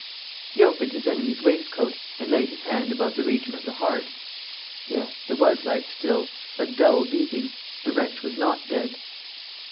He opened his enemy's waistcoat, and laid his hand above the region of the heart. Yes, there was life still a dull beating. The wretch was not dead.